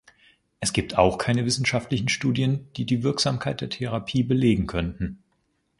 Es gibt auch keine wissenschaftlichen Studien, die die Wirksamkeit der Therapie belegen könnten.